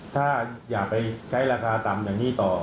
ถ้าอย่าไปใช้ราคาต่ำอย่างนี้ต่อ